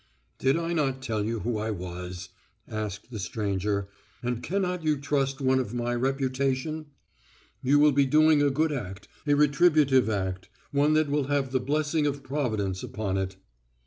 "Did I not tell you who I was?" asked the stranger, "and cannot you trust one of my reputation? You will be doing a good act, a retributive act; one that will have the blessing of Providence upon it."